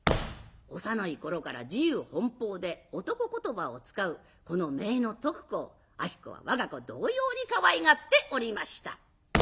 幼い頃から自由奔放で男言葉を使うこの姪の徳子を子は我が子同様にかわいがっておりました。